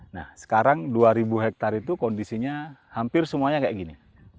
nah sekarang dua ribu hektare itu kondisinya hampir semuanya kayak gini